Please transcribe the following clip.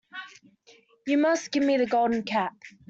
You must give me the Golden Cap.